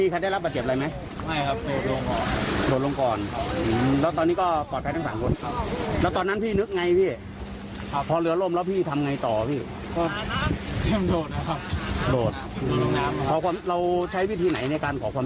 อ๋อความเชื่อเหลือจากกู้ชีพ๕๕๖๙ครับน้ำล้อยตัวน้ำล้อยได้ครับ